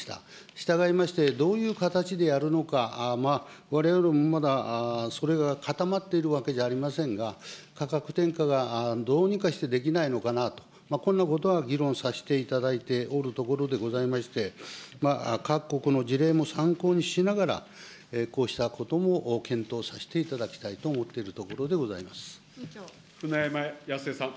従いまして、どういう形でやるのか、われわれもまだ、それが固まっているわけじゃありませんが、価格転嫁がどうにかしてできないのかなと、こんなことは議論させていただいておるところでございまして、各国の事例も参考にしながら、こうしたことも検討させていただきたいと思っているところでござ舟山康江さん。